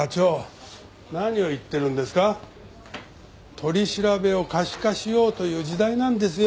取り調べを可視化しようという時代なんですよ？